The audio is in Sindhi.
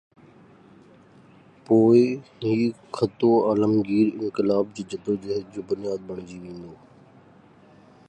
پوءِ هي خطو عالمگير انقلاب جي جدوجهد جو بنياد بڻجي ويندو.